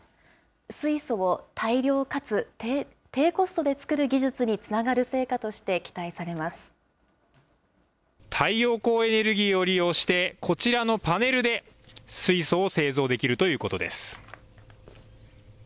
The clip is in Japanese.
水素を大量かつ低コストで作る技術につながる成果として期待され太陽光エネルギーを利用して、こちらのパネルで水素を製造できるということです。